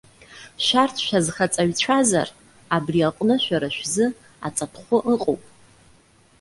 Шәарҭ шәазхаҵаҩцәазар, абри аҟны шәара шәзы аҵатәхәы ыҟоуп.